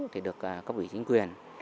thì được các quỹ chính quyền